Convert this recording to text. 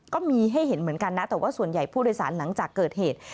ก็มีให้เห็นเหมือนกันนะแต่ว่าส่วนใหญ่ผู้โดยสารหลังจากเกิดเหตุ